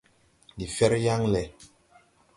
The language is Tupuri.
Ndi fɛr yaŋ lɛ.